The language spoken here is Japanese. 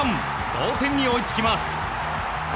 同点に追いつきます。